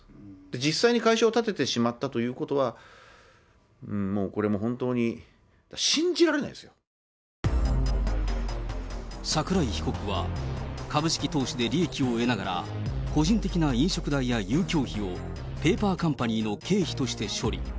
実際に会社をたててしまったということは、もうこれも本当に信じ桜井被告は、株式投資で利益を得ながら、個人的な飲食代や遊興費を、ペーパーカンパニーの経費として処理。